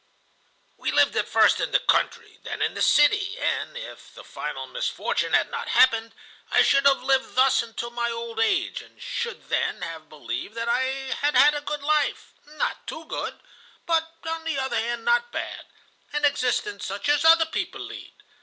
"We lived at first in the country, then in the city, and, if the final misfortune had not happened, I should have lived thus until my old age and should then have believed that I had had a good life,—not too good, but, on the other hand, not bad,—an existence such as other people lead.